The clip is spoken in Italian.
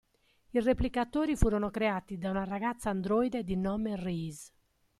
I Replicatori furono creati da una ragazza-androide di nome Reese.